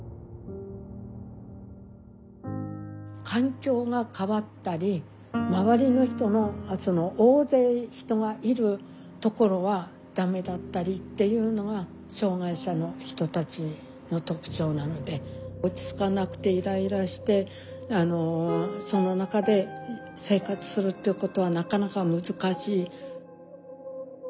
環境が変わったり周りの人のその大勢人がいるところは駄目だったりっていうのが障害者の人たちの特徴なので落ち着かなくていらいらしてその中で生活するっていうことはなかなか難しい。